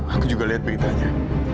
aku juga liat beritanya